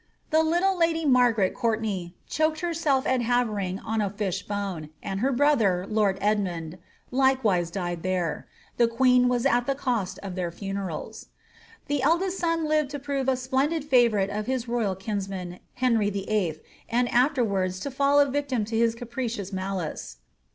The little lady Maigaret Ck>urtenay choked herself at Havering with a fish bone, and her brother, lord Edmund^ likewise died there ; the queen was at the cost of their funerals. The eldest son lived to prove a splendid favourite of his royal Henry VIII., and aAerwards to (all a victim to his capricious malice.